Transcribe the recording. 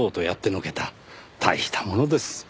大したものです。